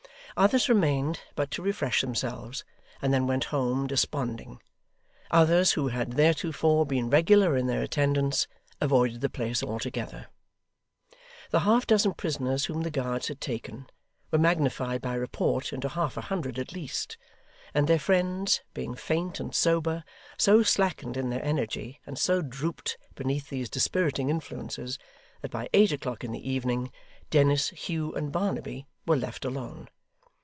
Others remained but to refresh themselves, and then went home desponding; others who had theretofore been regular in their attendance, avoided the place altogether. The half dozen prisoners whom the Guards had taken, were magnified by report into half a hundred at least; and their friends, being faint and sober, so slackened in their energy, and so drooped beneath these dispiriting influences, that by eight o'clock in the evening, Dennis, Hugh, and Barnaby, were left alone.